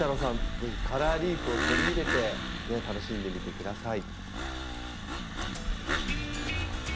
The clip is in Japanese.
ぜひカラーリーフを取り入れて楽しんでみてください。